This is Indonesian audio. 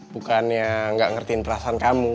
bukannya nggak ngertiin perasaan kamu